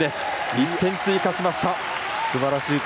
１点追加しました。